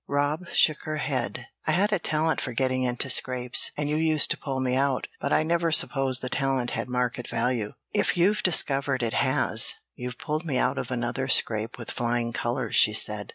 Rob shook her head. "I had a talent for getting into scrapes, and you used to pull me out, but I never supposed the talent had market value. If you've discovered it has, you've pulled me out of another scrape with flying colors," she said.